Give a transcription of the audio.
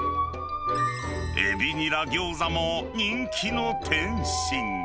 海老ニラギョーザも、人気の点心。